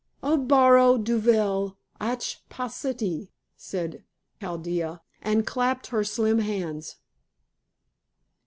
"O baro duvel atch' pa leste!" said Chaldea, and clapped her slim hands.